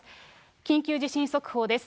緊急地震速報です。